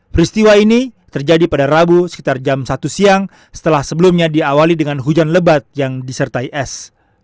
peristiwa ini terjadi pada rabu sekitar jam satu siang setelah sebelumnya diawali dengan hujan lebat yang disertai es